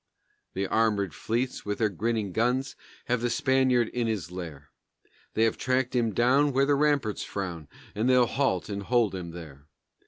The armored fleets, with their grinning guns, Have the Spaniard in his lair; They have tracked him down where the ramparts frown, And they'll halt and hold him there.